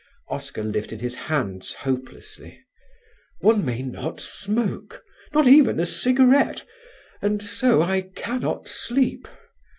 Oscar lifted his hands hopelessly: "One may not smoke; not even a cigarette; and so I cannot sleep.